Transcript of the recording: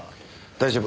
大丈夫。